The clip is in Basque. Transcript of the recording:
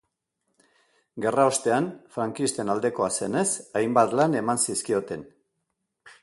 Gerra ostean, frankisten aldekoa zenez, hainbat lan eman zizkioten.